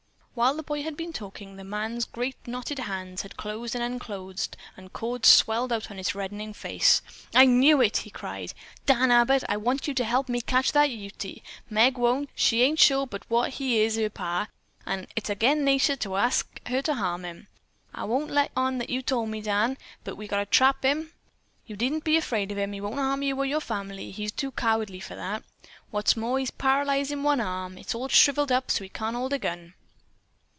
While the boy had been talking, the man's great knotted hands had closed and unclosed and cords swelled out on his reddening face. "I knew it," he cried. "Dan Abbott, I want you to help me catch that Ute. Meg won't. She ain't sure but what he is her pa, an' it's agin nature to ask her to harm him. I won't let on that you tol' me, but, Dan, we've got to trap him. You needn't be afraid of him. He won't harm you or your family. He's too cowardly for that. What's more, he's paralyzed in one arm; it's all shriveled up so he can't hold a gun."